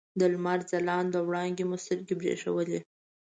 د لمر ځلانده وړانګو مو سترګې برېښولې.